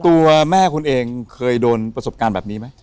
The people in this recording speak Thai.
ตัวแม่คุณเองเคยโดนประสบการณ์แบบนี้ไหม